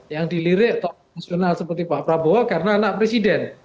yang dilirik tokoh nasional seperti pak prabowo karena anak presiden